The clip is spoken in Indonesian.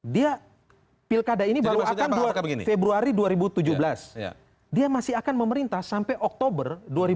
dia pilkada ini baru akan februari dua ribu tujuh belas dia masih akan memerintah sampai oktober dua ribu tujuh belas